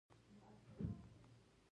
د شپږو پر ځاى مې اته کيلو پټن پکښې کښېښوول.